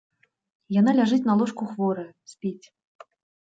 Яна ляжыць на ложку хворая, спіць.